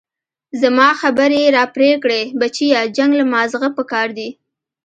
زما خبرې يې راپرې كړې بچيه جنګ له مازغه پكار دي.